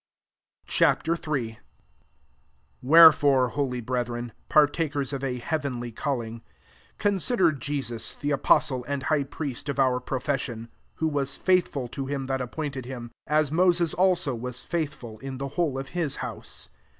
Ch. III. 1 Wherefore, holy brethren, partakers of a heaven ly calling, consider Jesus the Apostle and High Priest of our profession ; 2 who was faithful to him that appointed him, as Moses also waa Jait/^l in the whole of his house.